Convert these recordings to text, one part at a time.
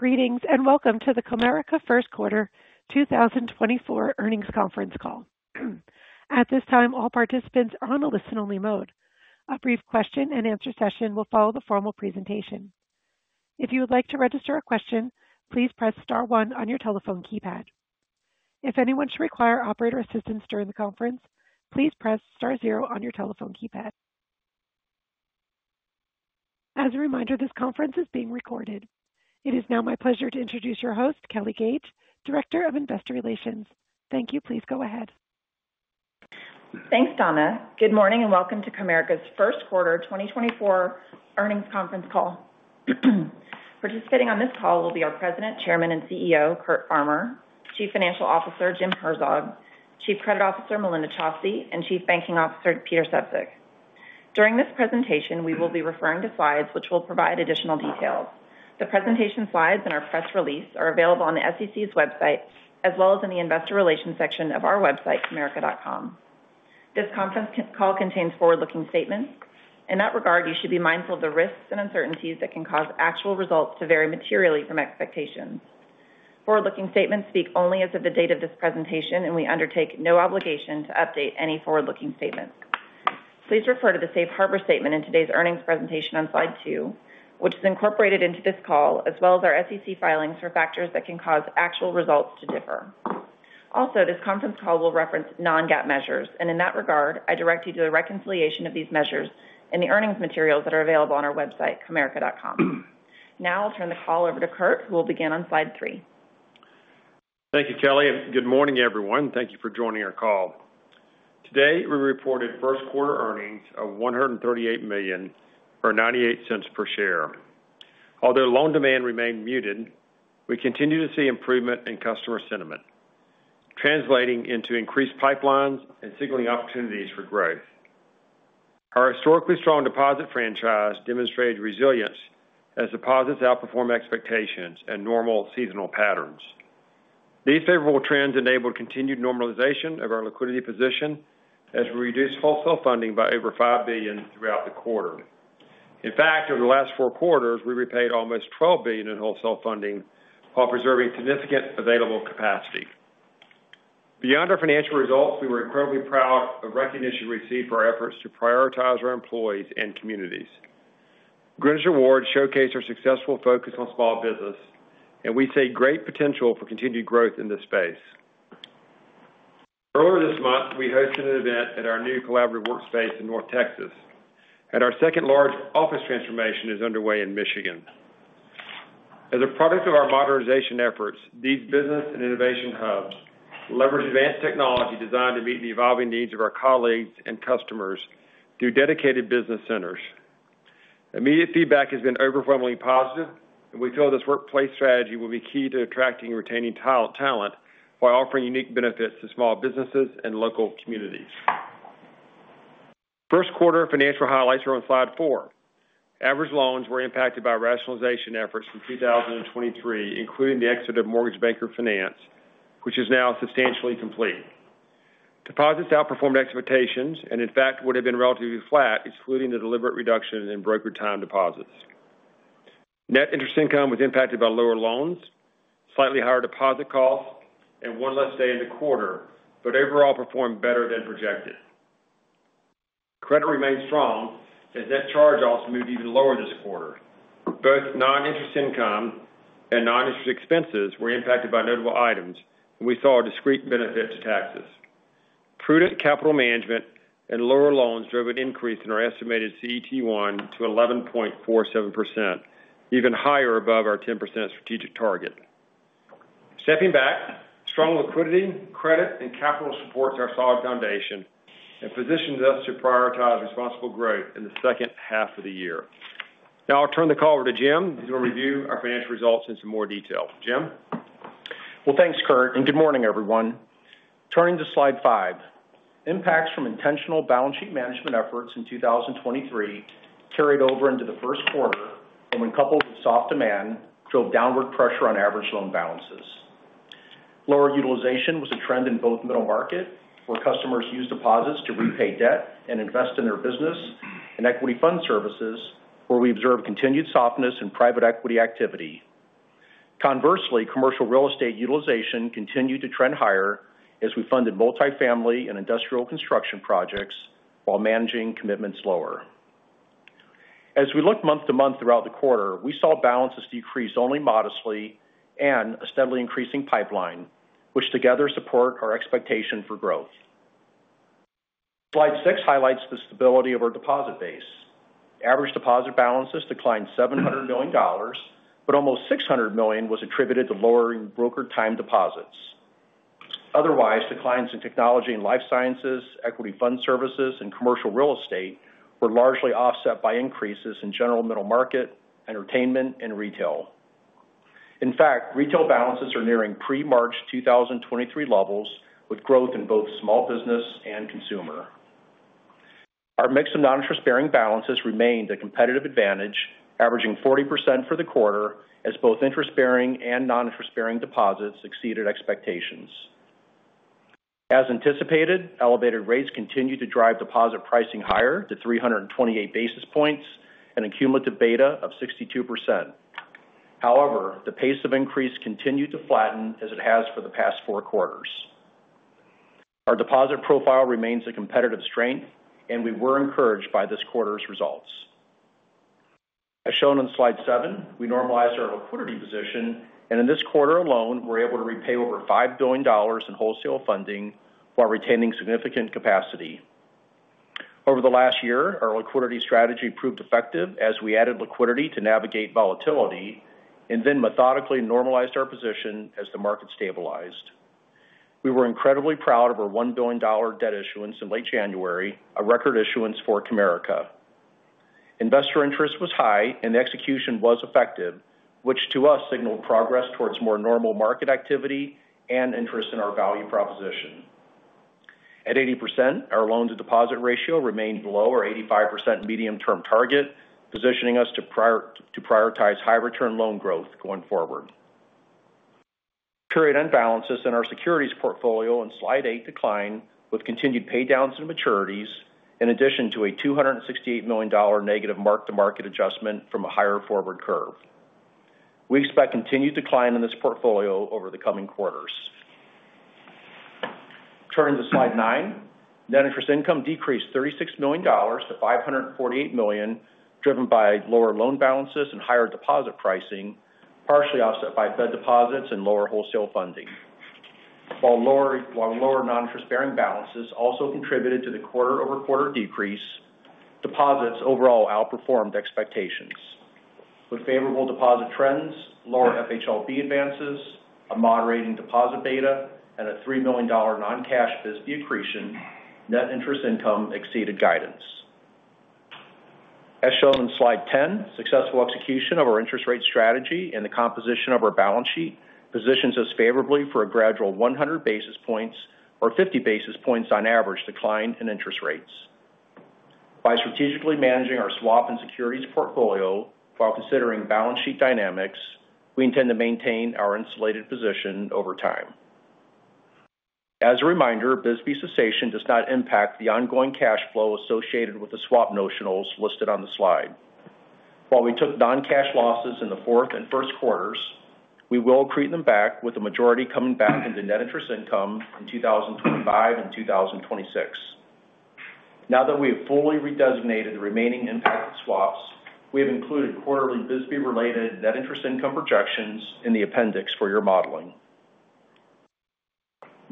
Greetings, and welcome to the Comerica First Quarter 2024 Earnings Conference Call. At this time, all participants are on a listen-only mode. A brief question-and-answer session will follow the formal presentation. If you would like to register a question, please press star one on your telephone keypad. If anyone should require operator assistance during the conference, please press star zero on your telephone keypad. As a reminder, this conference is being recorded. It is now my pleasure to introduce your host, Kelly Gage, Director of Investor Relations. Thank you. Please go ahead. Thanks, Donna. Good morning, and welcome to Comerica's first quarter 2024 earnings conference call. Participating on this call will be our President, Chairman, and CEO, Curt Farmer, Chief Financial Officer, Jim Herzog, Chief Credit Officer, Melinda Chausse, and Chief Banking Officer, Peter Sefzik. During this presentation, we will be referring to slides which will provide additional details. The presentation slides and our press release are available on the SEC's website, as well as in the Investor Relations section of our website, comerica.com. This conference call contains forward-looking statements. In that regard, you should be mindful of the risks and uncertainties that can cause actual results to vary materially from expectations. Forward-looking statements speak only as of the date of this presentation, and we undertake no obligation to update any forward-looking statements. Please refer to the safe harbor statement in today's earnings presentation on slide 2, which is incorporated into this call, as well as our SEC filings for factors that can cause actual results to differ. Also, this conference call will reference non-GAAP measures, and in that regard, I direct you to a reconciliation of these measures in the earnings materials that are available on our website, comerica.com. Now I'll turn the call over to Curt, who will begin on slide 3. Thank you, Kelly, and good morning, everyone. Thank you for joining our call. Today, we reported first quarter earnings of $138 million or $0.98 per share. Although loan demand remained muted, we continue to see improvement in customer sentiment, translating into increased pipelines and signaling opportunities for growth. Our historically strong deposit franchise demonstrated resilience as deposits outperform expectations and normal seasonal patterns. These favorable trends enabled continued normalization of our liquidity position as we reduced wholesale funding by over $5 billion throughout the quarter. In fact, over the last four quarters, we repaid almost $12 billion in wholesale funding while preserving significant available capacity. Beyond our financial results, we were incredibly proud of recognition we received for our efforts to prioritize our employees and communities. Greenwich Awards showcase our successful focus on small business, and we see great potential for continued growth in this space. Earlier this month, we hosted an event at our new collaborative workspace in North Texas, and our second large office transformation is underway in Michigan. As a product of our modernization efforts, these business and innovation hubs leverage advanced technology designed to meet the evolving needs of our colleagues and customers through dedicated business centers. Immediate feedback has been overwhelmingly positive, and we feel this workplace strategy will be key to attracting and retaining talent while offering unique benefits to small businesses and local communities. First quarter financial highlights are on slide 4. Average loans were impacted by rationalization efforts from 2023, including the exit of Mortgage Banker Finance, which is now substantially complete. Deposits outperformed expectations and, in fact, would have been relatively flat, excluding the deliberate reduction in brokered time deposits. Net interest income was impacted by lower loans, slightly higher deposit costs, and one less day in the quarter, but overall performed better than projected. Credit remained strong as net charge-offs moved even lower this quarter. Both non-interest income and non-interest expenses were impacted by notable items, and we saw a discrete benefit to taxes. Prudent capital management and lower loans drove an increase in our estimated CET1 to 11.47%, even higher above our 10% strategic target. Stepping back, strong liquidity, credit, and capital supports our solid foundation and positions us to prioritize responsible growth in the second half of the year. Now I'll turn the call over to Jim, who will review our financial results in some more detail. Jim? Well, thanks, Curt, and good morning, everyone. Turning to Slide 5. Impacts from intentional balance sheet management efforts in 2023 carried over into the first quarter, and when coupled with soft demand, drove downward pressure on average loan balances. Lower utilization was a trend in both middle market, where customers use deposits to repay debt and invest in their business and equity fund services, where we observed continued softness in private equity activity. Conversely, commercial real estate utilization continued to trend higher as we funded multifamily and industrial construction projects while managing commitments lower. As we looked month-to-month throughout the quarter, we saw balances decrease only modestly and a steadily increasing pipeline, which together support our expectation for growth. Slide 6 highlights the stability of our deposit base. Average deposit balances declined $700 million, but almost $600 million was attributed to lowering brokered time deposits. Otherwise, declines in technology and life sciences, equity fund services, and commercial real estate were largely offset by increases in general middle market, entertainment, and retail. In fact, retail balances are nearing pre-March 2023 levels, with growth in both small business and consumer. Our mix of non-interest-bearing balances remained a competitive advantage, averaging 40% for the quarter, as both interest-bearing and non-interest-bearing deposits exceeded expectations.... As anticipated, elevated rates continued to drive deposit pricing higher to 328 basis points and a cumulative beta of 62%. However, the pace of increase continued to flatten as it has for the past four quarters. Our deposit profile remains a competitive strength, and we were encouraged by this quarter's results. As shown on Slide 7, we normalized our liquidity position, and in this quarter alone, we're able to repay over $5 billion in wholesale funding while retaining significant capacity. Over the last year, our liquidity strategy proved effective as we added liquidity to navigate volatility and then methodically normalized our position as the market stabilized. We were incredibly proud of our $1 billion debt issuance in late January, a record issuance for Comerica. Investor interest was high and the execution was effective, which to us, signaled progress towards more normal market activity and interest in our value proposition. At 80%, our loan-to-deposit ratio remained below our 85% medium-term target, positioning us to prioritize high return loan growth going forward. Period-end balances in our securities portfolio on Slide 8 declined, with continued paydowns and maturities, in addition to a $268 million negative mark-to-market adjustment from a higher forward curve. We expect continued decline in this portfolio over the coming quarters. Turning to Slide 9, net interest income decreased $36 million to $548 million, driven by lower loan balances and higher deposit pricing, partially offset by Fed deposits and lower wholesale funding. While lower non-interest-bearing balances also contributed to the quarter-over-quarter decrease, deposits overall outperformed expectations. With favorable deposit trends, lower FHLB advances, a moderating deposit beta, and a $3 million non-cash BSBY accretion, net interest income exceeded guidance. As shown in Slide 10, successful execution of our interest rate strategy and the composition of our balance sheet positions us favorably for a gradual 100 basis points or 50 basis points on average decline in interest rates. By strategically managing our swap and securities portfolio while considering balance sheet dynamics, we intend to maintain our insulated position over time. As a reminder, BSBY cessation does not impact the ongoing cash flow associated with the swap notionals listed on the slide. While we took non-cash losses in the fourth and first quarters, we will accrete them back, with the majority coming back into net interest income in 2025 and 2026. Now that we have fully redesignated the remaining impacted swaps, we have included quarterly BSBY-related net interest income projections in the appendix for your modeling.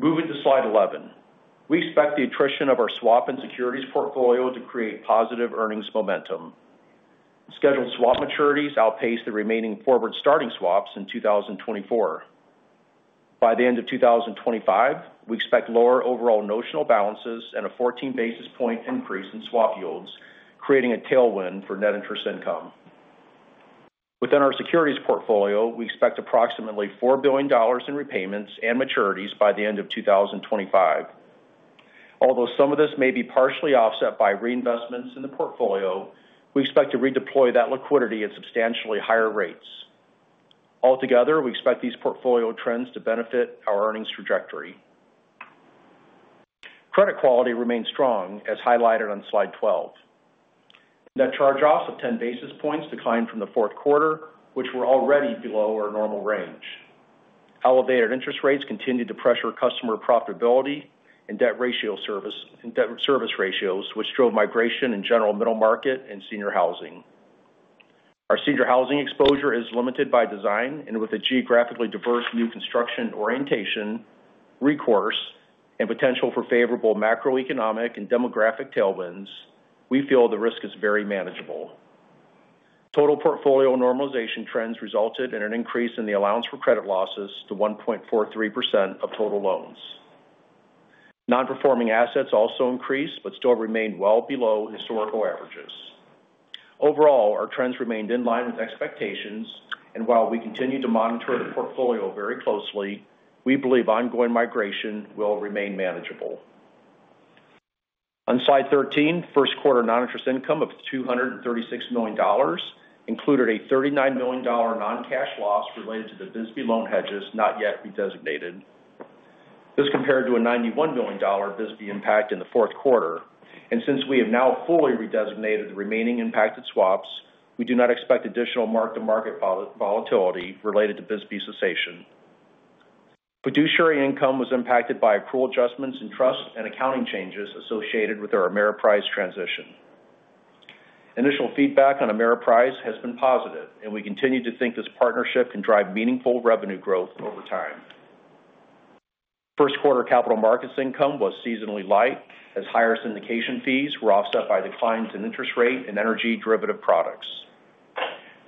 Moving to Slide 11. We expect the attrition of our swap and securities portfolio to create positive earnings momentum. Scheduled swap maturities outpace the remaining forward starting swaps in 2024. By the end of 2025, we expect lower overall notional balances and a 14 basis point increase in swap yields, creating a tailwind for net interest income. Within our securities portfolio, we expect approximately $4 billion in repayments and maturities by the end of 2025. Although some of this may be partially offset by reinvestments in the portfolio, we expect to redeploy that liquidity at substantially higher rates. Altogether, we expect these portfolio trends to benefit our earnings trajectory. Credit quality remains strong, as highlighted on Slide 12. Net charge-offs of 10 basis points declined from the fourth quarter, which were already below our normal range. Elevated interest rates continued to pressure customer profitability and debt service ratios, which drove migration in General Middle Market and Senior Housing. Our Senior Housing exposure is limited by design and with a geographically diverse new construction orientation, recourse, and potential for favorable macroeconomic and demographic tailwinds, we feel the risk is very manageable. Total portfolio normalization trends resulted in an increase in the allowance for credit losses to 1.43% of total loans. Non-Performing Assets also increased but still remained well below historical averages. Overall, our trends remained in line with expectations, and while we continue to monitor the portfolio very closely, we believe ongoing migration will remain manageable. On Slide 13, first quarter non-interest income of $236 million included a $39 million non-cash loss related to the BSBY loan hedges not yet redesignated. This compared to a $91 million BSBY impact in the fourth quarter, and since we have now fully redesignated the remaining impacted swaps, we do not expect additional mark-to-market volatility related to BSBY cessation. Fiduciary income was impacted by accrual adjustments in trust and accounting changes associated with our Ameriprise transition. Initial feedback on Ameriprise has been positive, and we continue to think this partnership can drive meaningful revenue growth over time. First quarter capital markets income was seasonally light, as higher syndication fees were offset by declines in interest rate and energy derivative products.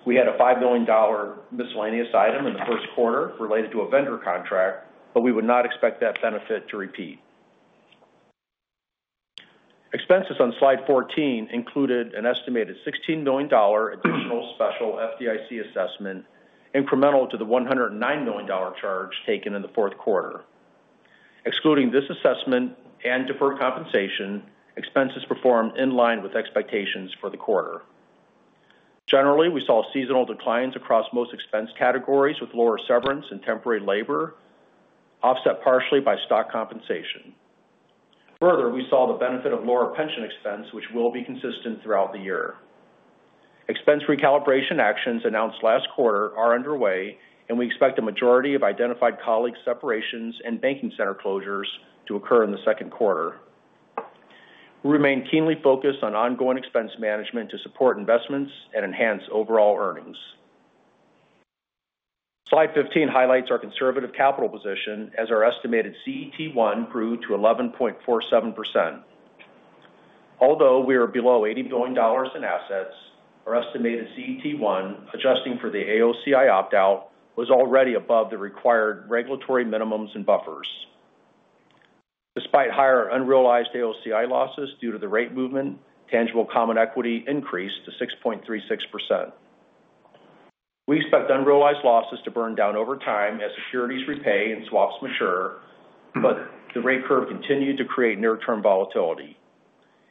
We had a $5 million miscellaneous item in the first quarter related to a vendor contract, but we would not expect that benefit to repeat. Expenses on Slide 14 included an estimated $16 million additional special FDIC assessment, incremental to the $109 million charge taken in the fourth quarter. Excluding this assessment and deferred compensation, expenses performed in line with expectations for the quarter. Generally, we saw seasonal declines across most expense categories, with lower severance and temporary labor, offset partially by stock compensation. Further, we saw the benefit of lower pension expense, which will be consistent throughout the year. Expense recalibration actions announced last quarter are underway, and we expect a majority of identified colleague separations and banking center closures to occur in the second quarter. We remain keenly focused on ongoing expense management to support investments and enhance overall earnings. Slide 15 highlights our conservative capital position as our estimated CET1 grew to 11.47%. Although we are below $80 billion in assets, our estimated CET1, adjusting for the AOCI opt-out, was already above the required regulatory minimums and buffers. Despite higher unrealized AOCI losses due to the rate movement, tangible common equity increased to 6.36%. We expect unrealized losses to burn down over time as securities repay and swaps mature, but the rate curve continued to create near-term volatility.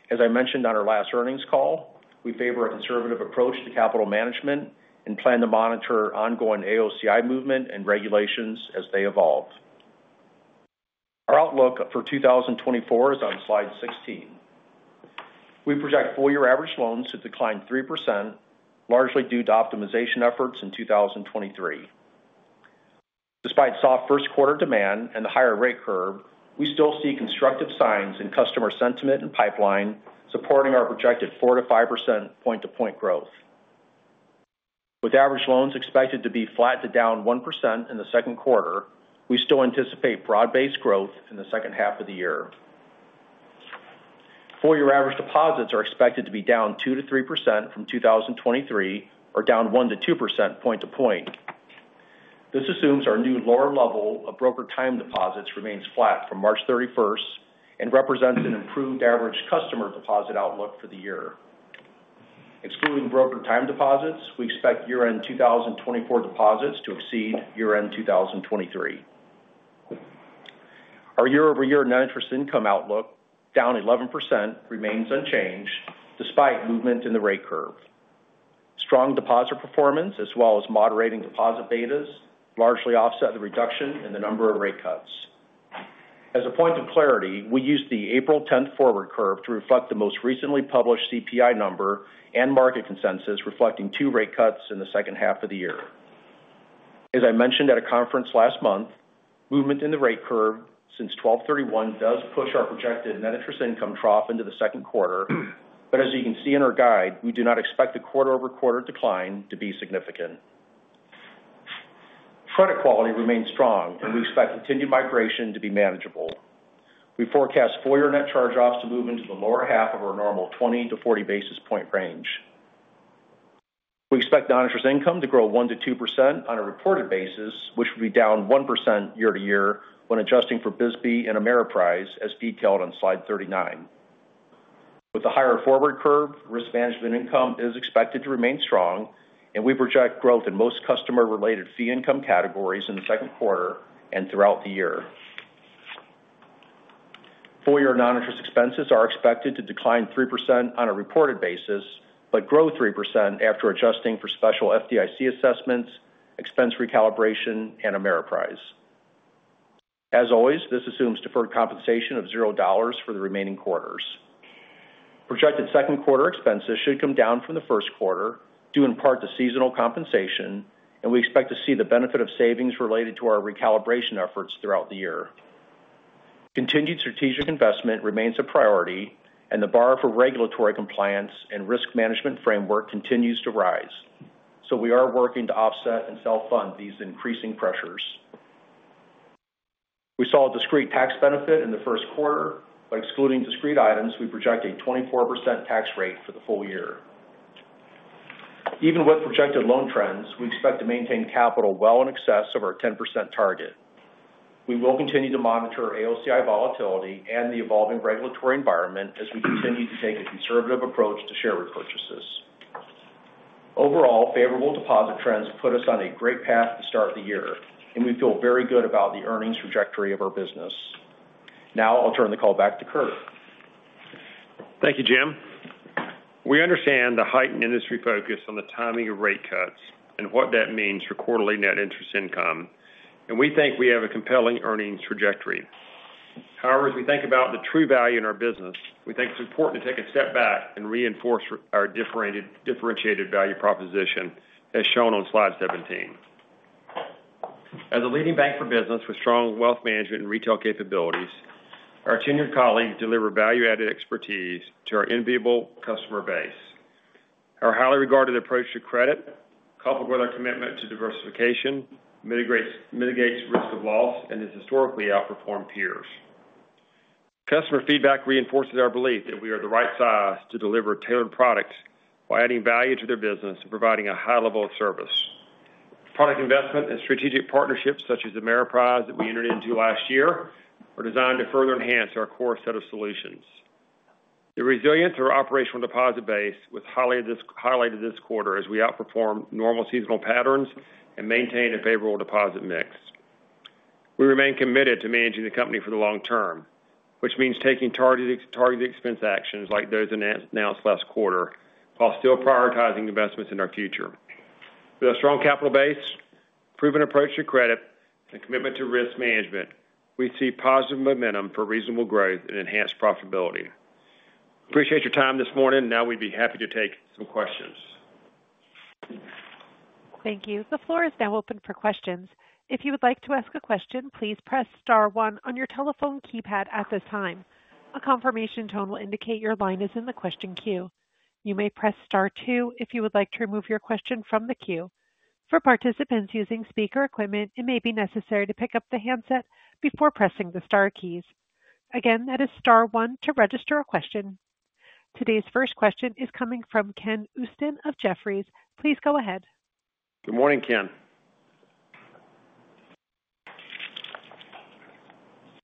As I mentioned on our last earnings call, we favor a conservative approach to capital management and plan to monitor ongoing AOCI movement and regulations as they evolve. Our outlook for 2024 is on slide 16. We project full year average loans to decline 3%, largely due to optimization efforts in 2023. Despite soft first quarter demand and the higher rate curve, we still see constructive signs in customer sentiment and pipeline, supporting our projected 4%-5% point-to-point growth. With average loans expected to be flat to down 1% in the second quarter, we still anticipate broad-based growth in the second half of the year. Full year average deposits are expected to be down 2%-3% from 2023, or down 1%-2% point to point. This assumes our new lower level of broker time deposits remains flat from March 31, and represents an improved average customer deposit outlook for the year. Excluding broker time deposits, we expect year-end 2024 deposits to exceed year-end 2023. Our year-over-year net interest income outlook, down 11%, remains unchanged despite movement in the rate curve. Strong deposit performance, as well as moderating deposit betas, largely offset the reduction in the number of rate cuts. As a point of clarity, we used the April 10 forward curve to reflect the most recently published CPI number and market consensus, reflecting 2 rate cuts in the second half of the year. As I mentioned at a conference last month, movement in the rate curve since 12/31 does push our projected net interest income trough into the second quarter. But as you can see in our guide, we do not expect the quarter-over-quarter decline to be significant. Credit quality remains strong, and we expect continued migration to be manageable. We forecast full year net charge-offs to move into the lower half of our normal 20-40 basis point range. We expect non-interest income to grow 1%-2% on a reported basis, which will be down 1% year-over-year when adjusting for BSBY and Ameriprise, as detailed on slide 39. With the higher forward curve, risk management income is expected to remain strong, and we project growth in most customer-related fee income categories in the second quarter and throughout the year. Full-year non-interest expenses are expected to decline 3% on a reported basis, but grow 3% after adjusting for special FDIC assessments, expense recalibration, and Ameriprise. As always, this assumes deferred compensation of $0 for the remaining quarters. Projected second quarter expenses should come down from the first quarter, due in part to seasonal compensation, and we expect to see the benefit of savings related to our recalibration efforts throughout the year. Continued strategic investment remains a priority, and the bar for regulatory compliance and risk management framework continues to rise, so we are working to offset and self-fund these increasing pressures. We saw a discrete tax benefit in the first quarter. By excluding discrete items, we project a 24% tax rate for the full year. Even with projected loan trends, we expect to maintain capital well in excess of our 10% target. We will continue to monitor AOCI volatility and the evolving regulatory environment as we continue to take a conservative approach to share repurchases. Overall, favorable deposit trends put us on a great path to start the year, and we feel very good about the earnings trajectory of our business. Now I'll turn the call back to Curt. Thank you, Jim. We understand the heightened industry focus on the timing of rate cuts and what that means for quarterly net interest income, and we think we have a compelling earnings trajectory. However, as we think about the true value in our business, we think it's important to take a step back and reinforce our differentiated, differentiated value proposition, as shown on slide 17. As a leading bank for business with strong wealth management and retail capabilities, our tenured colleagues deliver value-added expertise to our enviable customer base. Our highly regarded approach to credit, coupled with our commitment to diversification, mitigates risk of loss and has historically outperformed peers. Customer feedback reinforces our belief that we are the right size to deliver tailored products while adding value to their business and providing a high level of service. Product investment and strategic partnerships, such as Ameriprise, that we entered into last year, are designed to further enhance our core set of solutions. The resilience of our operational deposit base was highlighted this quarter as we outperformed normal seasonal patterns and maintained a favorable deposit mix.... We remain committed to managing the company for the long term, which means taking targeted expense actions like those announced last quarter, while still prioritizing investments in our future. With a strong capital base, proven approach to credit, and commitment to risk management, we see positive momentum for reasonable growth and enhanced profitability. Appreciate your time this morning. Now we'd be happy to take some questions. Thank you. The floor is now open for questions. If you would like to ask a question, please press star one on your telephone keypad at this time. A confirmation tone will indicate your line is in the question queue. You may press star two if you would like to remove your question from the queue. For participants using speaker equipment, it may be necessary to pick up the handset before pressing the star keys. Again, that is star one to register a question. Today's first question is coming from Ken Usdin of Jefferies. Please go ahead. Good morning, Ken.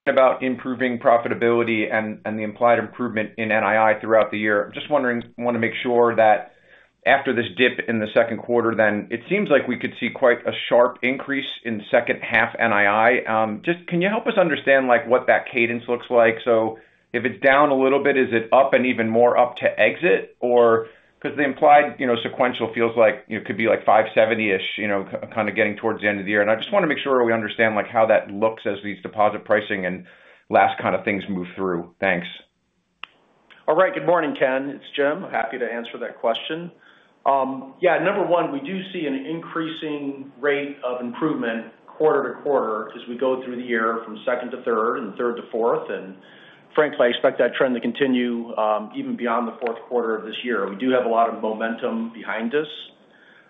About improving profitability and, and the implied improvement in NII throughout the year. I'm just wondering, want to make sure that after this dip in the second quarter, then it seems like we could see quite a sharp increase in second half NII. Just can you help us understand, like, what that cadence looks like? So if it's down a little bit, is it up and even more up to exit? Or because the implied, you know, sequential feels like, you know, could be like 570-ish, you know, k- kind of getting towards the end of the year. And I just want to make sure we understand, like, how that looks as these deposit pricing and LIFO kind of things move through. Thanks. All right. Good morning, Ken. It's Jim. Happy to answer that question. Yeah, number one, we do see an increasing rate of improvement quarter to quarter as we go through the year from second to third and third to fourth. Frankly, I expect that trend to continue, even beyond the fourth quarter of this year. We do have a lot of momentum behind us.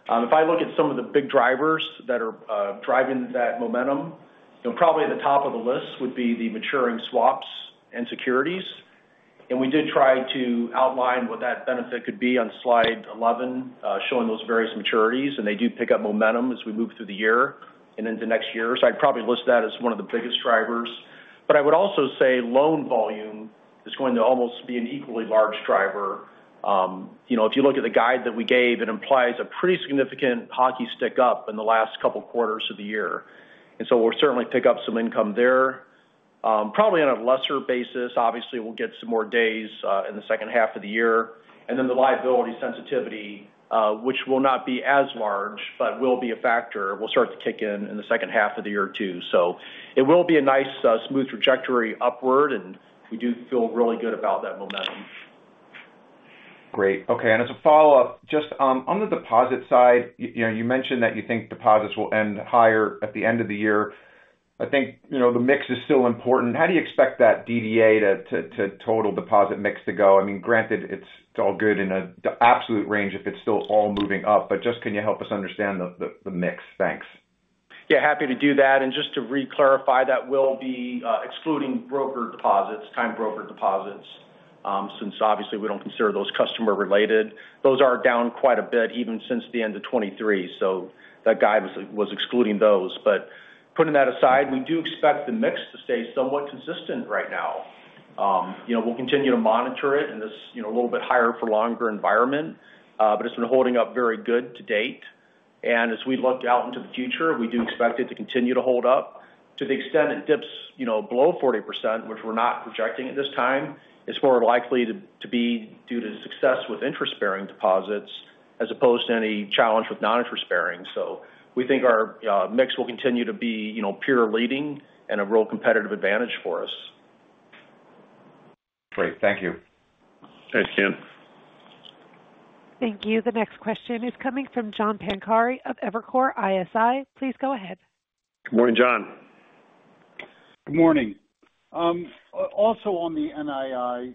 If I look at some of the big drivers that are driving that momentum, you know, probably at the top of the list would be the maturing swaps and securities. We did try to outline what that benefit could be on slide 11, showing those various maturities, and they do pick up momentum as we move through the year and into next year. I'd probably list that as one of the biggest drivers. But I would also say loan volume is going to almost be an equally large driver. You know, if you look at the guide that we gave, it implies a pretty significant hockey stick up in the last couple quarters of the year. And so we'll certainly pick up some income there, probably on a lesser basis. Obviously, we'll get some more days in the second half of the year. And then the liability sensitivity, which will not be as large but will be a factor, will start to kick in in the second half of the year, too. So it will be a nice smooth trajectory upward, and we do feel really good about that momentum. Great. Okay, and as a follow-up, just, on the deposit side, you know, you mentioned that you think deposits will end higher at the end of the year. I think, you know, the mix is still important. How do you expect that DDA to total deposit mix to go? I mean, granted, it's all good in the absolute range if it's still all moving up, but just, can you help us understand the mix? Thanks. Yeah, happy to do that. And just to reclarify, that will be excluding broker deposits, time broker deposits, since obviously we don't consider those customer related. Those are down quite a bit, even since the end of 2023. So that guide was excluding those. But putting that aside, we do expect the mix to stay somewhat consistent right now. You know, we'll continue to monitor it in this, you know, a little bit higher for longer environment, but it's been holding up very good to date. And as we look out into the future, we do expect it to continue to hold up. To the extent it dips, you know, below 40%, which we're not projecting at this time, it's more likely to be due to success with interest-bearing deposits as opposed to any challenge with non-interest bearing. So we think our mix will continue to be, you know, peer leading and a real competitive advantage for us. Great. Thank you. Thanks, Ken. Thank you. The next question is coming from John Pankari of Evercore ISI. Please go ahead. Good morning, John. Good morning. Also on the NII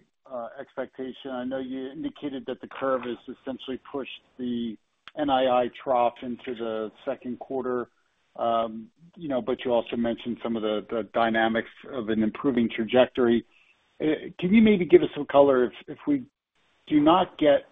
expectation, I know you indicated that the curve has essentially pushed the NII trough into the second quarter. You know, but you also mentioned some of the, the dynamics of an improving trajectory. Can you maybe give us some color, if, if we do not get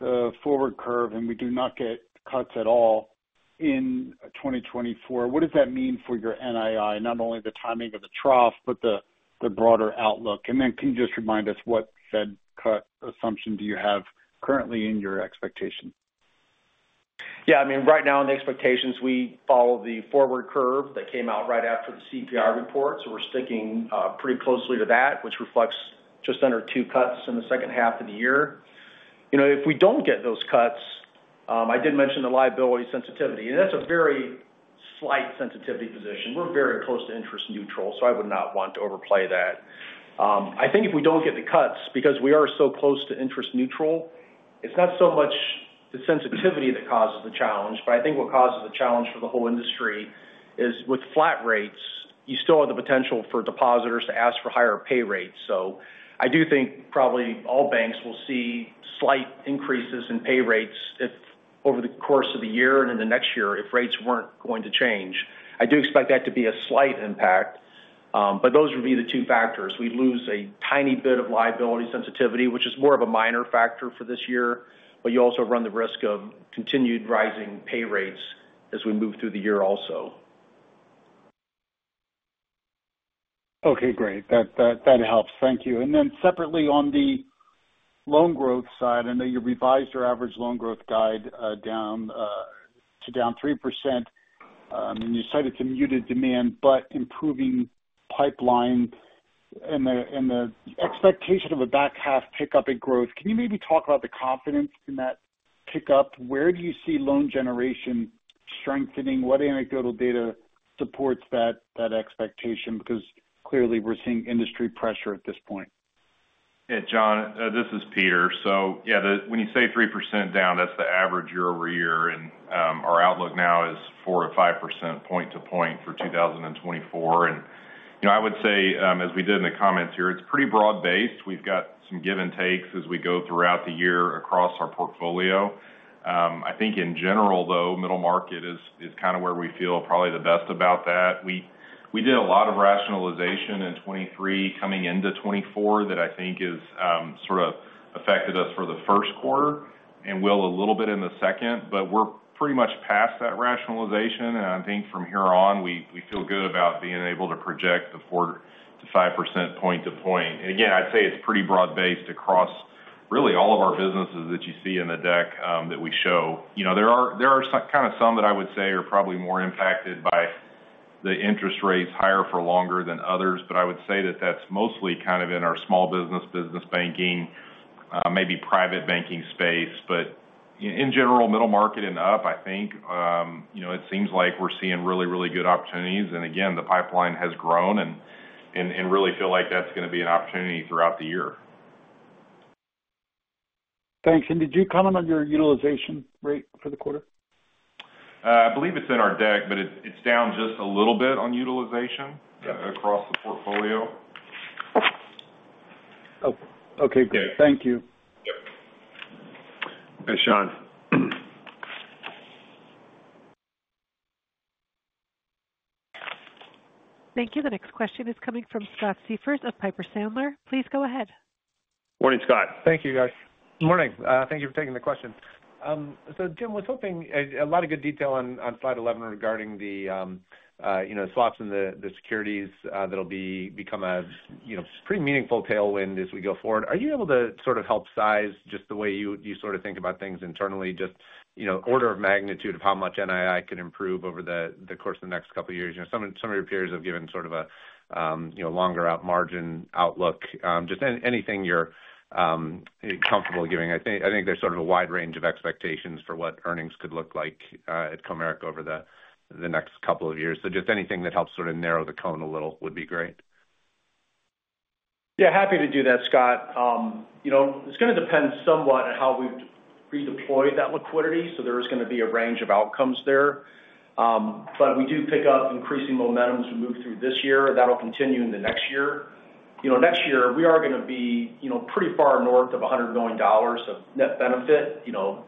the forward curve and we do not get cuts at all in 2024, what does that mean for your NII? Not only the timing of the trough, but the, the broader outlook. And then can you just remind us, what Fed cut assumption do you have currently in your expectation? Yeah, I mean, right now in the expectations, we follow the forward curve that came out right after the CPI report. So we're sticking pretty closely to that, which reflects just under two cuts in the second half of the year. You know, if we don't get those cuts, I did mention the liability sensitivity, and that's a very slight sensitivity position. We're very close to interest neutral, so I would not want to overplay that. I think if we don't get the cuts because we are so close to interest neutral, it's not so much the sensitivity that causes the challenge, but I think what causes the challenge for the whole industry is with flat rates, you still have the potential for depositors to ask for higher pay rates. So I do think probably all banks will see slight increases in pay rates if over the course of the year and in the next year, if rates weren't going to change. I do expect that to be a slight impact, but those would be the two factors. We lose a tiny bit of liability sensitivity, which is more of a minor factor for this year, but you also run the risk of continued rising pay rates as we move through the year also.... Okay, great. That, that, that helps. Thank you. And then separately, on the loan growth side, I know you revised your average loan growth guide, down, to down 3%. And you cited some muted demand, but improving pipeline and the, and the expectation of a back half pickup in growth. Can you maybe talk about the confidence in that pickup? Where do you see loan generation strengthening? What anecdotal data supports that, that expectation? Because clearly we're seeing industry pressure at this point. Yeah, John, this is Peter. So yeah, when you say 3% down, that's the average year-over-year, and our outlook now is 4%-5% point-to-point for 2024. And, you know, I would say, as we did in the comments here, it's pretty broad-based. We've got some give and takes as we go throughout the year across our portfolio. I think in general, though, middle market is kind of where we feel probably the best about that. We did a lot of rationalization in 2023 coming into 2024, that I think is sort of affected us for the first quarter and will a little bit in the second, but we're pretty much past that rationalization. And I think from here on, we feel good about being able to project the 4%-5% point-to-point. Again, I'd say it's pretty broad-based across really all of our businesses that you see in the deck, that we show. You know, there are some, kind of some that I would say are probably more impacted by the interest rates higher for longer than others, but I would say that that's mostly kind of in our small business, business banking, maybe private banking space. But in general, middle market and up, I think, you know, it seems like we're seeing really, really good opportunities. And again, the pipeline has grown and really feel like that's gonna be an opportunity throughout the year. Thanks. And did you comment on your utilization rate for the quarter? I believe it's in our deck, but it's down just a little bit on utilization across the portfolio. Oh, okay, great. Yeah. Thank you. Yep. Thanks, John. Thank you. The next question is coming from Scott Siefers of Piper Sandler. Please go ahead. Morning, Scott. Thank you, guys. Morning. Thank you for taking the question. So Jim, was hoping a lot of good detail on slide 11 regarding the you know, swaps and the securities that'll become a you know, pretty meaningful tailwind as we go forward. Are you able to sort of help size just the way you sort of think about things internally, just you know, order of magnitude of how much NII could improve over the course of the next couple of years? You know, some of your peers have given sort of a you know, longer out margin outlook. Just anything you're comfortable giving. I think there's sort of a wide range of expectations for what earnings could look like at Comerica over the next couple of years. Just anything that helps sort of narrow the cone a little would be great. Yeah, happy to do that, Scott. You know, it's gonna depend somewhat on how we've redeployed that liquidity, so there is gonna be a range of outcomes there. But we do pick up increasing momentum as we move through this year, and that'll continue in the next year. You know, next year, we are gonna be, you know, pretty far north of $100 million of net benefit, you know,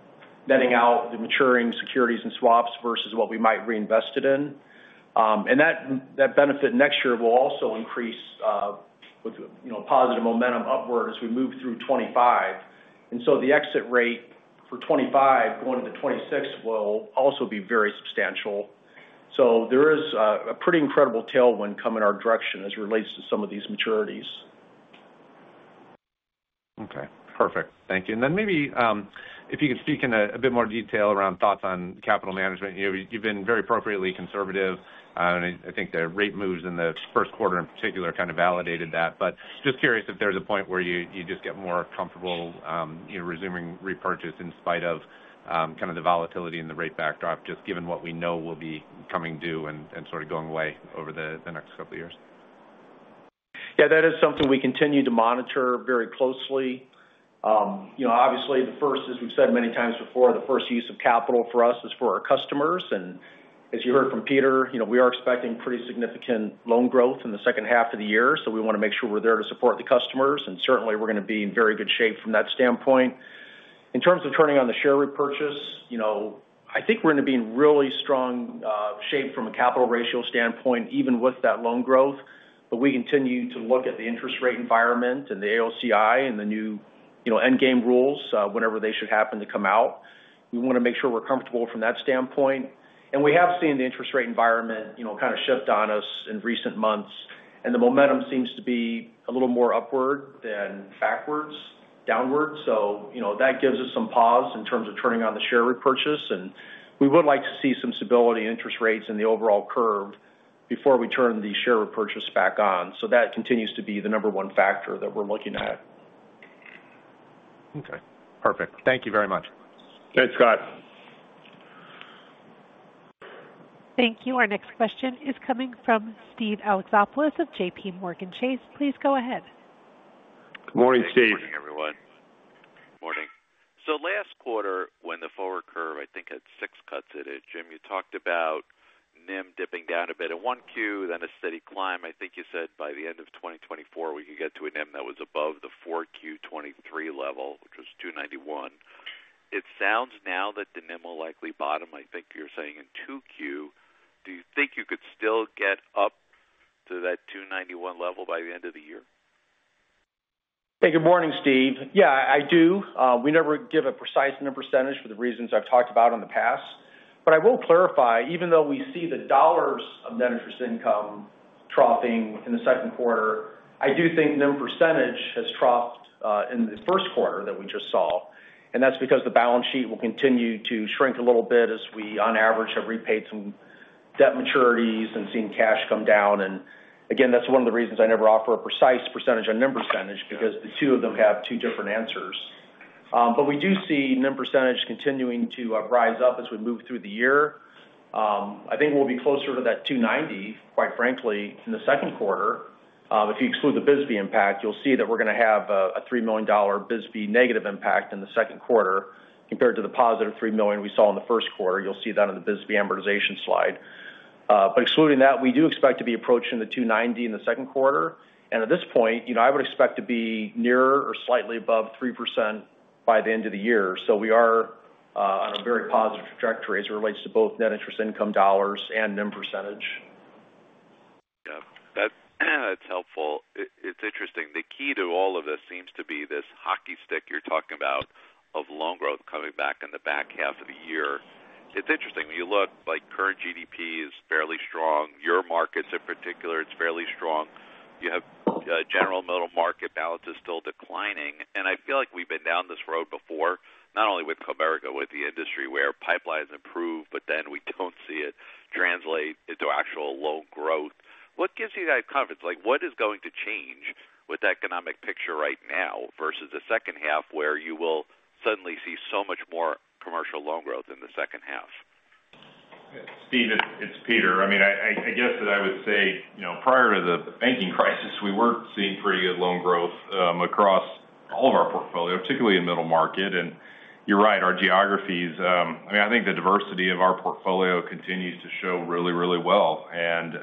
netting out the maturing securities and swaps versus what we might reinvest it in. And that benefit next year will also increase with, you know, positive momentum upward as we move through 2025. And so the exit rate for 2025 going into 2026 will also be very substantial. So there is a pretty incredible tailwind coming our direction as it relates to some of these maturities. Okay, perfect. Thank you. And then maybe if you could speak in a bit more detail around thoughts on capital management. You know, you've been very appropriately conservative, and I think the rate moves in the first quarter, in particular, kind of validated that. But just curious if there's a point where you just get more comfortable, you know, resuming repurchase in spite of kind of the volatility and the rate backdrop, just given what we know will be coming due and sort of going away over the next couple of years. Yeah, that is something we continue to monitor very closely. You know, obviously the first, as we've said many times before, the first use of capital for us is for our customers, and as you heard from Peter, you know, we are expecting pretty significant loan growth in the second half of the year, so we want to make sure we're there to support the customers. And certainly, we're gonna be in very good shape from that standpoint. In terms of turning on the share repurchase, you know, I think we're gonna be in really strong shape from a capital ratio standpoint, even with that loan growth. But we continue to look at the interest rate environment and the AOCI and the new, you know, endgame rules, whenever they should happen to come out. We want to make sure we're comfortable from that standpoint. We have seen the interest rate environment, you know, kind of shift on us in recent months, and the momentum seems to be a little more upward than backwards, downwards. So, you know, that gives us some pause in terms of turning on the share repurchase, and we would like to see some stability in interest rates in the overall curve before we turn the share repurchase back on. So that continues to be the number one factor that we're looking at. Okay, perfect. Thank you very much. Thanks, Scott. Thank you. Our next question is coming from Steve Alexopoulos of JPMorgan Chase. Please go ahead. Morning, Steve. Good morning, everyone. Morning. So last quarter, when the forward curve, I think, had 6 cuts in it, Jim, you talked about NIM dipping down a bit in 1Q, then a steady climb. I think you said by the end of 2024, we could get to a NIM that was above the 4Q 2023 level, which was 2.91. It sounds now that the NIM will likely bottom, I think you're saying in 2Q. Do you think you could still get up to that 2.91 level by the end of the year?... Hey, good morning, Steve. Yeah, I do. We never give a precise NIM percentage for the reasons I've talked about in the past. But I will clarify, even though we see the dollars of net interest income dropping in the second quarter, I do think NIM percentage has dropped in the first quarter that we just saw, and that's because the balance sheet will continue to shrink a little bit as we, on average, have repaid some debt maturities and seen cash come down. And again, that's one of the reasons I never offer a precise percentage on NIM percentage, because the two of them have two different answers. But we do see NIM percentage continuing to rise up as we move through the year. I think we'll be closer to that 2.90, quite frankly, in the second quarter. If you exclude the BSBY impact, you'll see that we're going to have a $3 million BSBY negative impact in the second quarter compared to the positive $3 million we saw in the first quarter. You'll see that in the BSBY amortization slide. But excluding that, we do expect to be approaching the 2.90 in the second quarter. And at this point, you know, I would expect to be nearer or slightly above 3% by the end of the year. So we are on a very positive trajectory as it relates to both net interest income dollars and NIM percentage. Yeah, that's helpful. It's interesting. The key to all of this seems to be this hockey stick you're talking about of loan growth coming back in the back half of the year. It's interesting, when you look, like current GDP is fairly strong. Your markets in particular, it's fairly strong. You have general middle market balances still declining, and I feel like we've been down this road before, not only with Comerica, with the industry, where pipelines improve, but then we don't see it translate into actual loan growth. What gives you that confidence? Like, what is going to change with the economic picture right now versus the second half, where you will suddenly see so much more commercial loan growth in the second half? Steve, it's Peter. I mean, I guess that I would say, you know, prior to the banking crisis, we were seeing pretty good loan growth across all of our portfolio, particularly in middle market. And you're right, our geographies. I mean, I think the diversity of our portfolio continues to show really, really well. And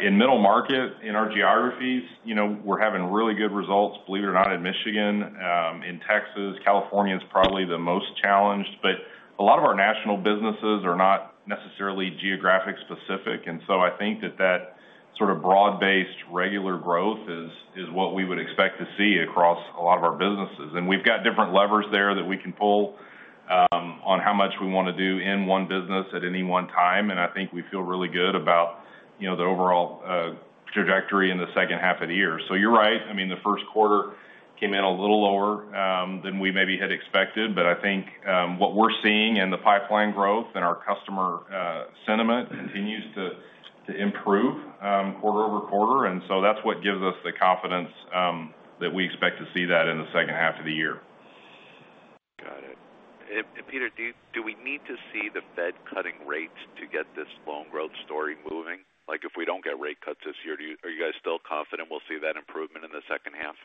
in middle market, in our geographies, you know, we're having really good results, believe it or not, in Michigan, in Texas. California is probably the most challenged, but a lot of our national businesses are not necessarily geographic specific. And so I think that that sort of broad-based, regular growth is what we would expect to see across a lot of our businesses. And we've got different levers there that we can pull on how much we want to do in one business at any one time, and I think we feel really good about, you know, the overall trajectory in the second half of the year. So you're right. I mean, the first quarter came in a little lower than we maybe had expected, but I think what we're seeing in the pipeline growth and our customer sentiment continues to improve quarter-over-quarter. And so that's what gives us the confidence that we expect to see that in the second half of the year. Got it. And Peter, do we need to see the Fed cutting rates to get this loan growth story moving? Like, if we don't get rate cuts this year, are you guys still confident we'll see that improvement in the second half?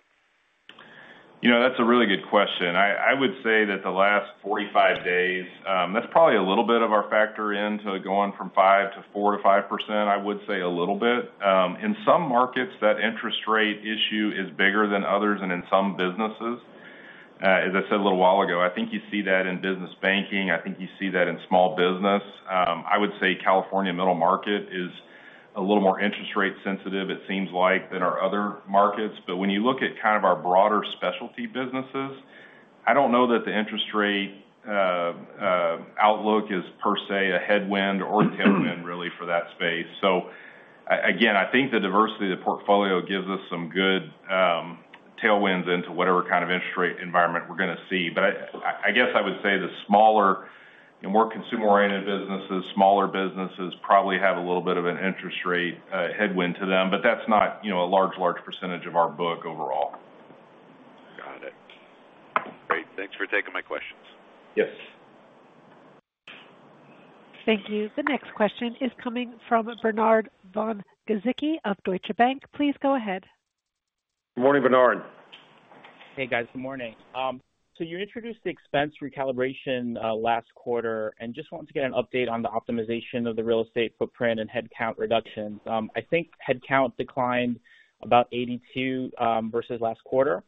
You know, that's a really good question. I would say that the last 45 days, that's probably a little bit of our factor into going from 5% to 4% to 5%. I would say a little bit. In some markets, that interest rate issue is bigger than others and in some businesses. As I said a little while ago, I think you see that in business banking. I think you see that in small business. I would say California middle market is a little more interest rate sensitive, it seems like, than our other markets. But when you look at kind of our broader specialty businesses, I don't know that the interest rate outlook is per se a headwind or a tailwind really for that space. So again, I think the diversity of the portfolio gives us some good tailwinds into whatever kind of interest rate environment we're going to see. But I, I guess I would say the smaller and more consumer-oriented businesses, smaller businesses, probably have a little bit of an interest rate headwind to them, but that's not, you know, a large, large percentage of our book overall. Got it. Great. Thanks for taking my questions. Yes. Thank you. The next question is coming from Bernard von Gizycki of Deutsche Bank. Please go ahead. Good morning, Bernard. Hey, guys. Good morning. So you introduced the expense recalibration last quarter, and just wanted to get an update on the optimization of the real estate footprint and headcount reductions. I think headcount declined about 82 versus last quarter,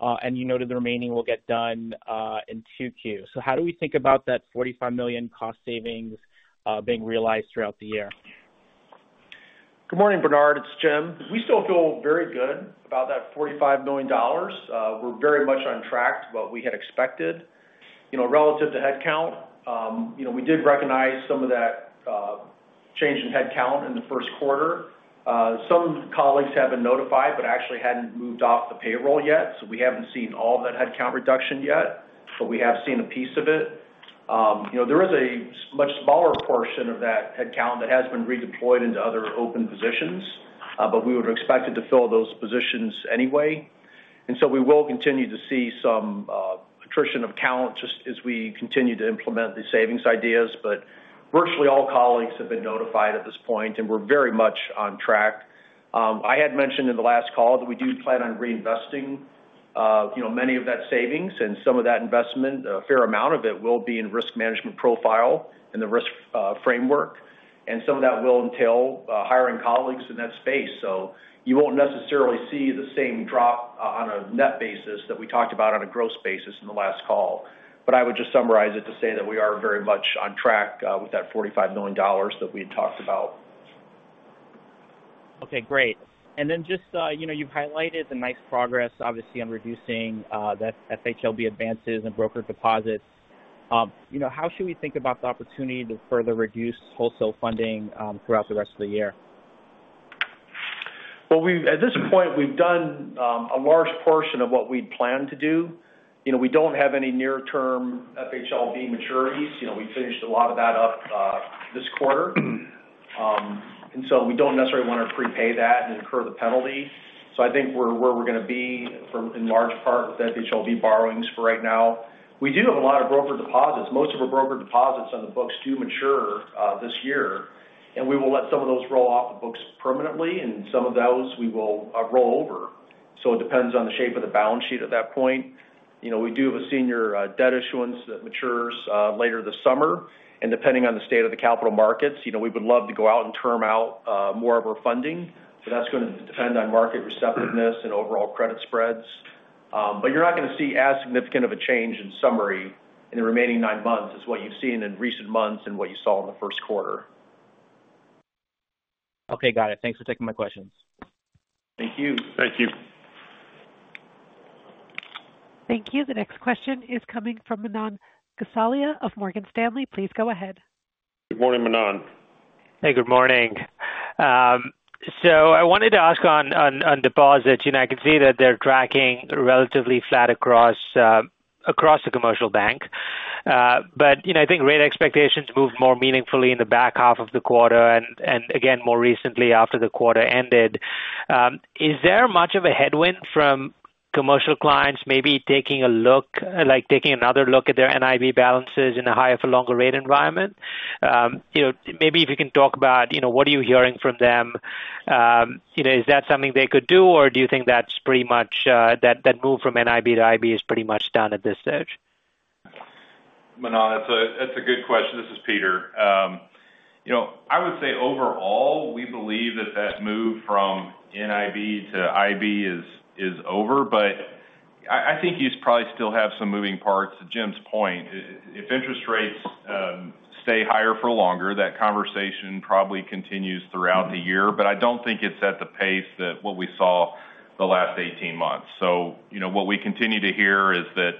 and you noted the remaining will get done in 2Q. So how do we think about that $45 million cost savings being realized throughout the year? Good morning, Bernard. It's Jim. We still feel very good about that $45 million. We're very much on track to what we had expected. You know, relative to headcount, you know, we did recognize some of that change in headcount in the first quarter. Some colleagues have been notified but actually hadn't moved off the payroll yet, so we haven't seen all of that headcount reduction yet, but we have seen a piece of it. You know, there is a much smaller portion of that headcount that has been redeployed into other open positions, but we would have expected to fill those positions anyway. And so we will continue to see some attrition of talent just as we continue to implement these savings ideas. But virtually all colleagues have been notified at this point, and we're very much on track. I had mentioned in the last call that we do plan on reinvesting, you know, many of that savings and some of that investment. A fair amount of it will be in risk management profile and the risk framework, and some of that will entail hiring colleagues in that space. So you won't necessarily see the same drop on a net basis that we talked about on a gross basis in the last call. But I would just summarize it to say that we are very much on track with that $45 million that we had talked about.... Okay, great. And then just, you know, you've highlighted the nice progress, obviously, on reducing, the FHLB advances and broker deposits. You know, how should we think about the opportunity to further reduce wholesale funding, throughout the rest of the year? Well, we've at this point, we've done a large portion of what we'd planned to do. You know, we don't have any near-term FHLB maturities. You know, we finished a lot of that up this quarter. And so we don't necessarily want to prepay that and incur the penalty. So I think we're where we're going to be from, in large part, with FHLB borrowings for right now. We do have a lot of broker deposits. Most of our broker deposits on the books do mature this year, and we will let some of those roll off the books permanently, and some of those we will roll over. So it depends on the shape of the balance sheet at that point. You know, we do have a senior debt issuance that matures later this summer, and depending on the state of the capital markets, you know, we would love to go out and term out more of our funding, but that's going to depend on market receptiveness and overall credit spreads. But you're not going to see as significant of a change in summary in the remaining nine months as what you've seen in recent months and what you saw in the first quarter. Okay, got it. Thanks for taking my questions. Thank you. Thank you. Thank you. The next question is coming from Manan Gosalia of Morgan Stanley. Please go ahead. Good morning, Manan. Hey, good morning. So I wanted to ask on deposits. You know, I can see that they're tracking relatively flat across the commercial bank. But, you know, I think rate expectations moved more meaningfully in the back half of the quarter and again, more recently after the quarter ended. Is there much of a headwind from commercial clients maybe taking a look, like, taking another look at their NIB balances in a higher for longer rate environment? You know, maybe if you can talk about, you know, what are you hearing from them? You know, is that something they could do, or do you think that's pretty much, that move from NIB to IB is pretty much done at this stage? Manan, that's a, that's a good question. This is Peter. You know, I would say overall, we believe that that move from NIB to IB is, is over, but I, I think you probably still have some moving parts. To Jim's point, if interest rates stay higher for longer, that conversation probably continues throughout the year, but I don't think it's at the pace that what we saw the last 18 months. So, you know, what we continue to hear is that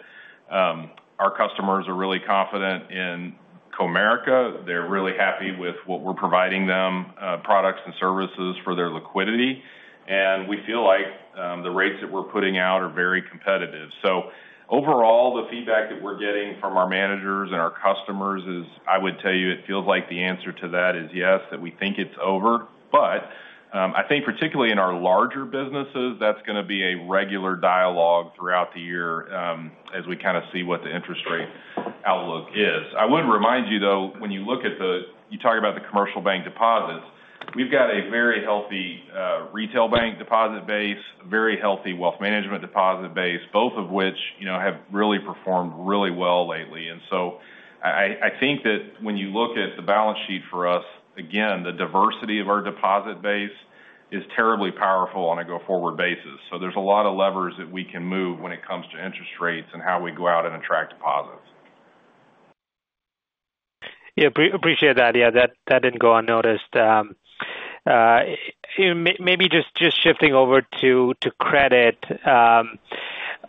our customers are really confident in Comerica. They're really happy with what we're providing them products and services for their liquidity, and we feel like the rates that we're putting out are very competitive. So overall, the feedback that we're getting from our managers and our customers is, I would tell you, it feels like the answer to that is yes, that we think it's over. But, I think particularly in our larger businesses, that's going to be a regular dialogue throughout the year, as we kind of see what the interest rate outlook is. I would remind you, though, when you look at the, you talk about the commercial bank deposits, we've got a very healthy, retail bank deposit base, a very healthy wealth management deposit base, both of which, you know, have really performed really well lately. And so I, I, I think that when you look at the balance sheet for us, again, the diversity of our deposit base is terribly powerful on a go-forward basis. There's a lot of levers that we can move when it comes to interest rates and how we go out and attract deposits. Yeah, appreciate that. Yeah, that didn't go unnoticed. Maybe just shifting over to credit.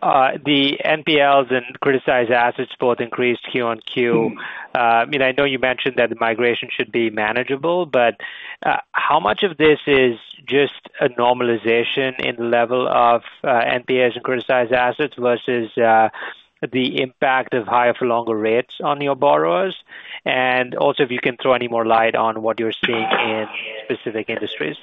The NPLs and criticized assets both increased Q on Q. I mean, I know you mentioned that the migration should be manageable, but how much of this is just a normalization in the level of NPAs and criticized assets versus the impact of higher for longer rates on your borrowers? And also, if you can throw any more light on what you're seeing in specific industries.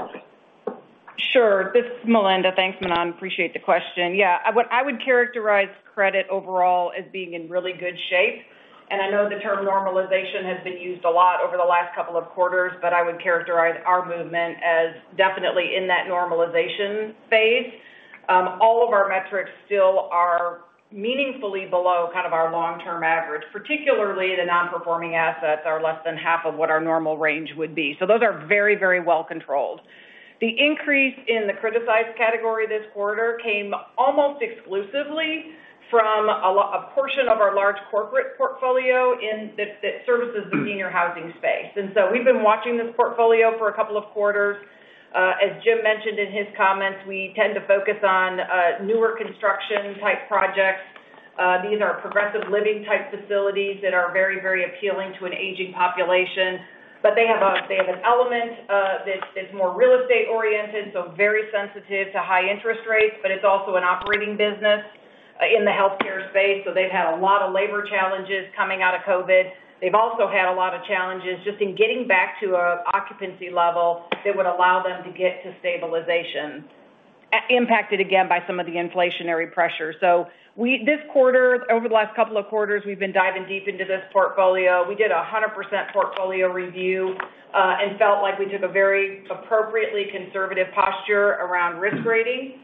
Sure. This is Melinda. Thanks, Manan. I appreciate the question. Yeah, I would characterize credit overall as being in really good shape, and I know the term normalization has been used a lot over the last couple of quarters, but I would characterize our movement as definitely in that normalization phase. All of our metrics still are meaningfully below kind of our long-term average, particularly the non-performing assets are less than half of what our normal range would be. So those are very, very well controlled. The increase in the criticized category this quarter came almost exclusively from a portion of our large corporate portfolio in that services the senior housing space. And so we've been watching this portfolio for a couple of quarters. As Jim mentioned in his comments, we tend to focus on newer construction type projects. These are progressive living type facilities that are very, very appealing to an aging population, but they have a, they have an element, that's that's more real estate oriented, so very sensitive to high interest rates, but it's also an operating business in the healthcare space, so they've had a lot of labor challenges coming out of COVID. They've also had a lot of challenges just in getting back to a occupancy level that would allow them to get to stabilization, impacted again by some of the inflationary pressure. So we—this quarter, over the last couple of quarters, we've been diving deep into this portfolio. We did a 100% portfolio review, and felt like we took a very appropriately conservative posture around risk rating.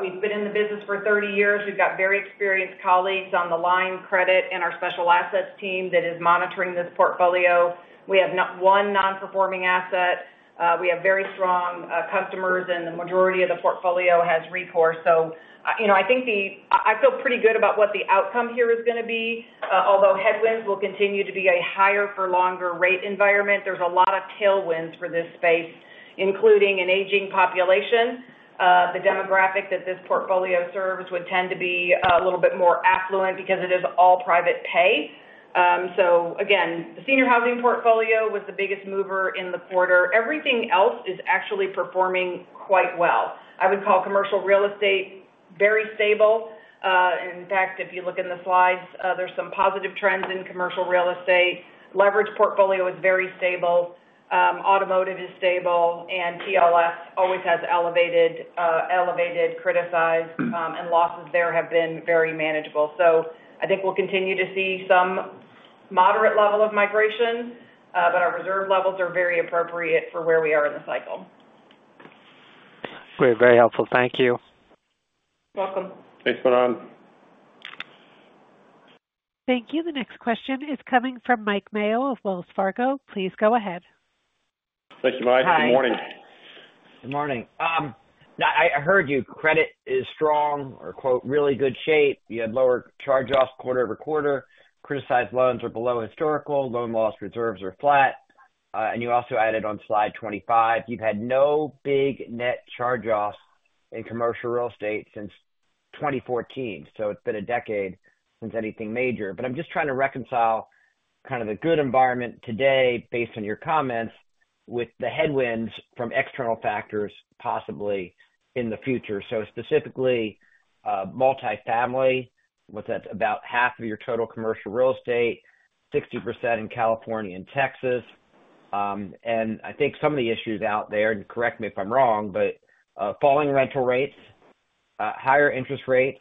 We've been in the business for 30 years. We've got very experienced colleagues on the line, credit, and our special assets team that is monitoring this portfolio. We have not one non-performing asset. We have very strong customers, and the majority of the portfolio has recourse. So, you know, I think I feel pretty good about what the outcome here is going to be. Although headwinds will continue to be a higher for longer rate environment, there's a lot of tailwinds for this space, including an aging population. The demographic that this portfolio serves would tend to be a little bit more affluent because it is all private pay. So again, the senior housing portfolio was the biggest mover in the quarter. Everything else is actually performing quite well. I would call commercial real estate very stable. and in fact, if you look in the slides, there's some positive trends in commercial real estate. Leveraged portfolio is very stable, automotive is stable, and TLS always has elevated criticized, and losses there have been very manageable. So I think we'll continue to see some moderate level of migration, but our reserve levels are very appropriate for where we are in the cycle. Great, very helpful. Thank you. Welcome. Thanks, Ron. Thank you. The next question is coming from Mike Mayo of Wells Fargo. Please go ahead. Thank you, Mike. Good morning. Hi. Good morning. Now I heard you. Credit is strong or quote, "really good shape." You had lower charge-offs quarter-over-quarter, criticized loans are below historical, loan loss reserves are flat. And you also added on slide 25, you've had no big net charge-offs in commercial real estate since 2014, so it's been a decade since anything major. But I'm just trying to reconcile kind of the good environment today, based on your comments, with the headwinds from external factors, possibly in the future. So specifically, multifamily, with that, about half of your total commercial real estate, 60% in California and Texas. And I think some of the issues out there, and correct me if I'm wrong, but falling rental rates, higher interest rates,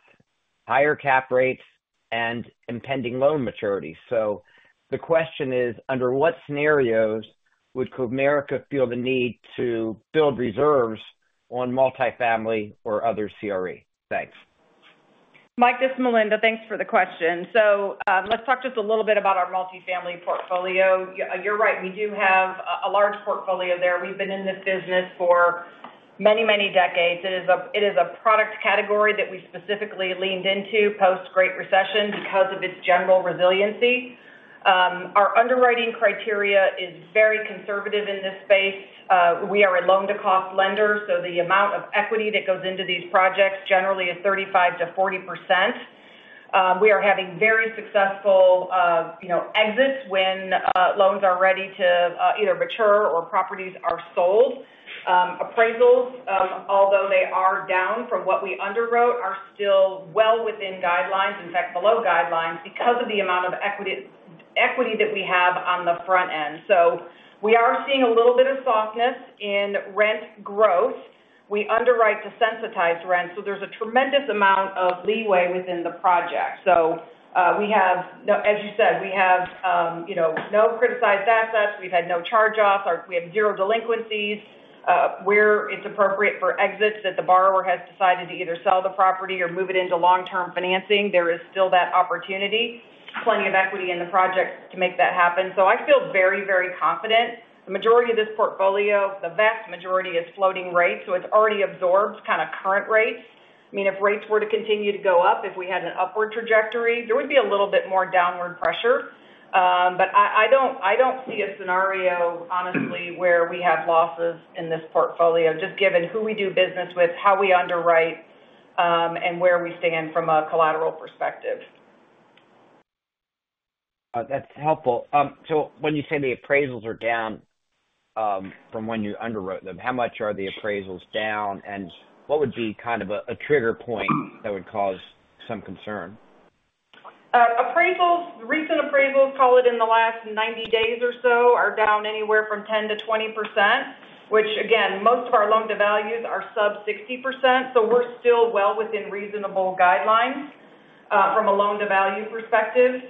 higher cap rates, and impending loan maturity. The question is, under what scenarios would Comerica feel the need to build reserves on multifamily or other CRE? Thanks. Mike, this is Melinda. Thanks for the question. So, let's talk just a little bit about our multifamily portfolio. You're right, we do have a large portfolio there. We've been in this business for many, many decades. It is a product category that we specifically leaned into post-Great Recession because of its general resiliency. Our underwriting criteria is very conservative in this space. We are a loan-to-cost lender, so the amount of equity that goes into these projects generally is 35%-40%. We are having very successful, you know, exits when loans are ready to either mature or properties are sold. Appraisals, although they are down from what we underwrote, are still well within guidelines, in fact, below guidelines, because of the amount of equity that we have on the front end. So we are seeing a little bit of softness in rent growth. We underwrite to sensitize rent, so there's a tremendous amount of leeway within the project. So, we have, as you said, we have, you know, no criticized assets, we've had no charge-offs, or we have zero delinquencies. Where it's appropriate for exits that the borrower has decided to either sell the property or move it into long-term financing, there is still that opportunity. Plenty of equity in the project to make that happen. So I feel very, very confident. The majority of this portfolio, the vast majority, is floating rates, so it's already absorbed kind of current rates. I mean, if rates were to continue to go up, if we had an upward trajectory, there would be a little bit more downward pressure. But I don't see a scenario, honestly, where we have losses in this portfolio, just given who we do business with, how we underwrite, and where we stand from a collateral perspective. That's helpful. So when you say the appraisals are down from when you underwrote them, how much are the appraisals down? And what would be kind of a trigger point that would cause some concern? Appraisals, recent appraisals, call it in the last 90 days or so, are down anywhere from 10%-20%, which again, most of our loan-to-values are sub 60%, so we're still well within reasonable guidelines, from a loan-to-value perspective.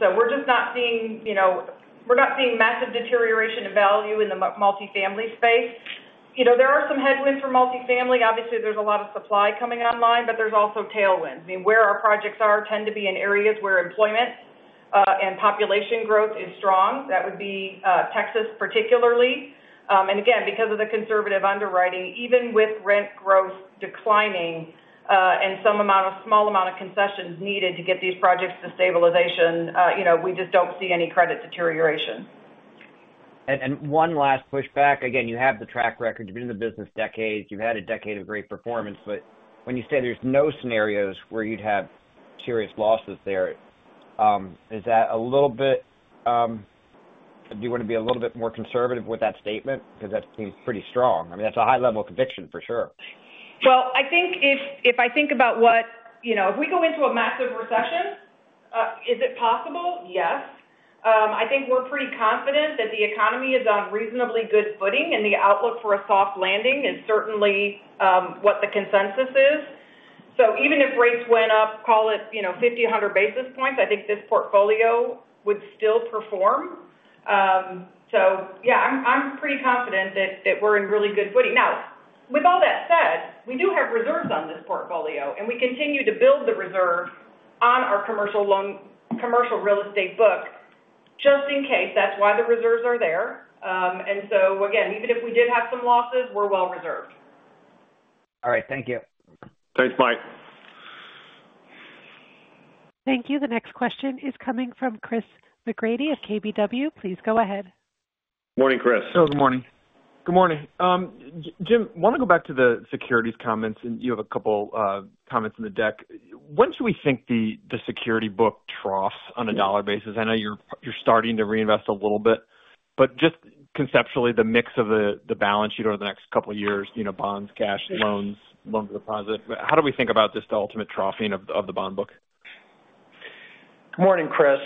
So we're just not seeing you know, we're not seeing massive deterioration of value in the multifamily space. You know, there are some headwinds for multifamily. Obviously, there's a lot of supply coming online, but there's also tailwinds. I mean, where our projects are tend to be in areas where employment and population growth is strong. That would be Texas, particularly. And again, because of the conservative underwriting, even with rent growth declining and some amount of small amount of concessions needed to get these projects to stabilization, you know, we just don't see any credit deterioration. One last pushback. Again, you have the track record, you've been in the business decades, you've had a decade of great performance, but when you say there's no scenarios where you'd have serious losses there, is that a little bit... Do you want to be a little bit more conservative with that statement? Because that seems pretty strong. I mean, that's a high level of conviction, for sure. Well, I think if I think about what you know, if we go into a massive recession, is it possible? Yes. I think we're pretty confident that the economy is on reasonably good footing, and the outlook for a soft landing is certainly what the consensus is. So even if rates went up, call it, you know, 50, 100 basis points, I think this portfolio would still perform. So yeah, I'm pretty confident that we're in really good footing. Now, with all that said, we do have reserves on this portfolio, and we continue to build the reserve on our commercial loan, commercial real estate book, just in case. That's why the reserves are there. And so again, even if we did have some losses, we're well reserved. All right. Thank you. Thanks, Mike. Thank you. The next question is coming from Chris McGratty of KBW. Please go ahead.... Morning, Chris. Oh, good morning. Good morning. Jim, want to go back to the securities comments, and you have a couple comments in the deck. When should we think the security book troughs on a dollar basis? I know you're starting to reinvest a little bit, but just conceptually, the mix of the balance sheet over the next couple of years, you know, bonds, cash, loans, loan deposits. But how do we think about this ultimate troughing of the bond book? Good morning, Chris.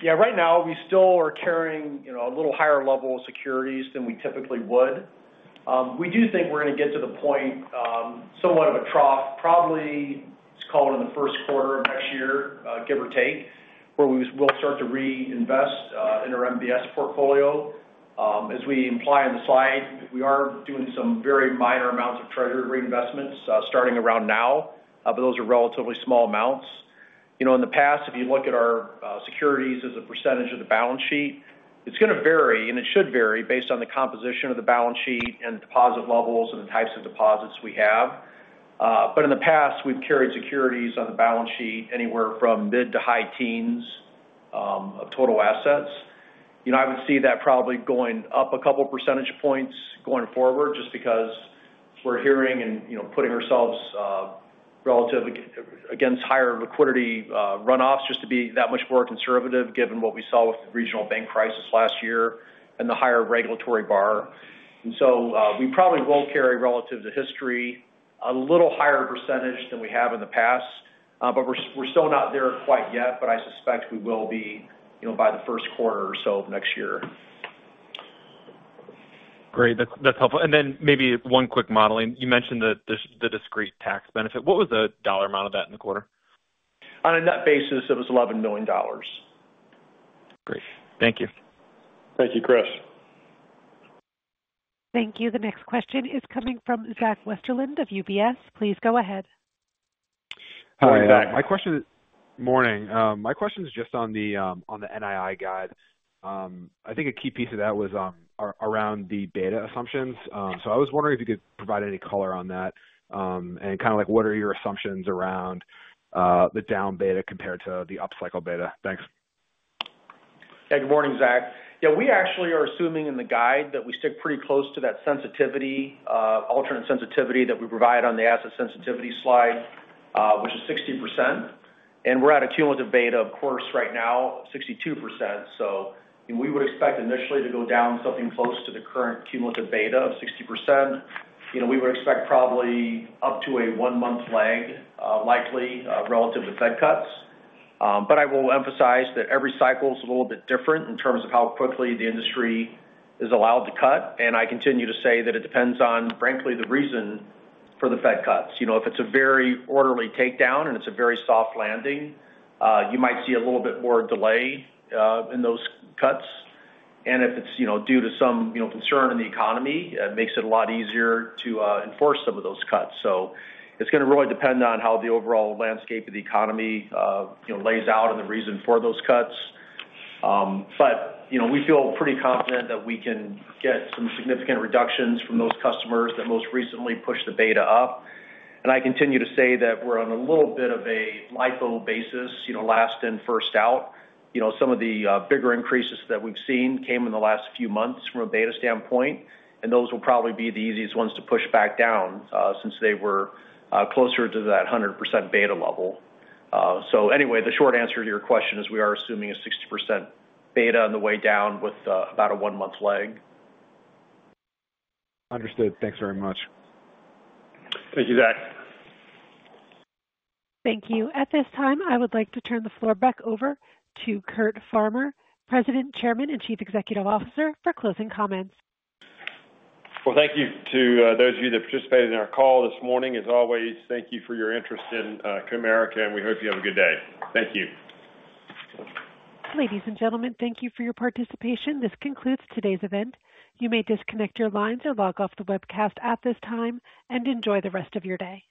Yeah, right now, we still are carrying, you know, a little higher level of securities than we typically would. We do think we're going to get to the point, somewhat of a trough, probably let's call it in the first quarter of next year, give or take, where we will start to reinvest in our MBS portfolio. As we imply on the slide, we are doing some very minor amounts of Treasury reinvestments, starting around now. But those are relatively small amounts. You know, in the past, if you look at our securities as a percentage of the balance sheet, it's going to vary, and it should vary based on the composition of the balance sheet and deposit levels and the types of deposits we have. But in the past, we've carried securities on the balance sheet anywhere from mid to high teens, of total assets. You know, I would see that probably going up a couple percentage points going forward, just because we're hearing and, you know, putting ourselves, relatively against higher liquidity, runoffs, just to be that much more conservative, given what we saw with the regional bank crisis last year and the higher regulatory bar. And so, we probably will carry relative to history, a little higher percentage than we have in the past. But we're, we're still not there quite yet, but I suspect we will be, you know, by the first quarter or so of next year. Great. That's, that's helpful. And then maybe one quick modeling. You mentioned the discrete tax benefit. What was the dollar amount of that in the quarter? On a net basis, it was $11 million. Great. Thank you. Thank you, Chris. Thank you. The next question is coming from Zach Westerlind of UBS. Please go ahead. Hi, Zack. Morning. My question is just on the, on the NII guide. I think a key piece of that was, around the beta assumptions. So I was wondering if you could provide any color on that, and kind of like, what are your assumptions around, the down beta compared to the upcycle beta? Thanks. Hey, good morning, Zach. Yeah, we actually are assuming in the guide that we stick pretty close to that sensitivity, alternate sensitivity that we provide on the asset sensitivity slide, which is 60%, and we're at a cumulative beta, of course, right now, 62%. So we would expect initially to go down something close to the current cumulative beta of 60%. You know, we would expect probably up to a one-month lag, likely, relative to Fed cuts. But I will emphasize that every cycle is a little bit different in terms of how quickly the industry is allowed to cut, and I continue to say that it depends on, frankly, the reason for the Fed cuts. You know, if it's a very orderly takedown and it's a very soft landing, you might see a little bit more delay in those cuts. And if it's, you know, due to some, you know, concern in the economy, it makes it a lot easier to enforce some of those cuts. So it's going to really depend on how the overall landscape of the economy, you know, lays out and the reason for those cuts. But, you know, we feel pretty confident that we can get some significant reductions from those customers that most recently pushed the beta up. And I continue to say that we're on a little bit of a LIFO basis, you know, last in, first out. You know, some of the bigger increases that we've seen came in the last few months from a beta standpoint, and those will probably be the easiest ones to push back down, since they were closer to that 100% beta level. So anyway, the short answer to your question is we are assuming a 60% beta on the way down with about a one-month lag. Understood. Thanks very much. Thank you, Zack. Thank you. At this time, I would like to turn the floor back over to Curt Farmer, President, Chairman, and Chief Executive Officer, for closing comments. Well, thank you to those of you that participated in our call this morning. As always, thank you for your interest in Comerica, and we hope you have a good day. Thank you. Ladies and gentlemen, thank you for your participation. This concludes today's event. You may disconnect your lines or log off the webcast at this time, and enjoy the rest of your day.